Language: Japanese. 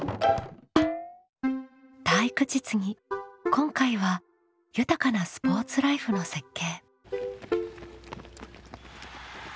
今回は「豊かなスポーツライフの設計」。